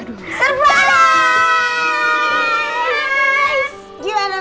aduh aduh aduh